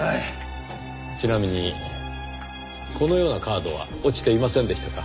ちなみにこのようなカードは落ちていませんでしたか？